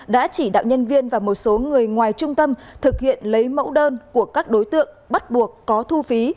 đã chỉ đạo nhân viên và một số người ngoài trung tâm thực hiện lấy mẫu đơn của các đối tượng bắt buộc có thu phí